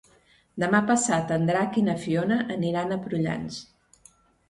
Demà passat en Drac i na Fiona aniran a Prullans.